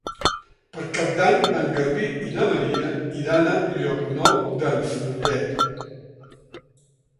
Per Cap d'Any en Garbí i na Maria iran a Llocnou d'en Fenollet.